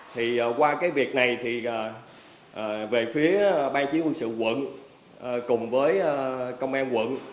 thì qua cái việc này thì về phía bang chiến quân sự quận cùng với công an quận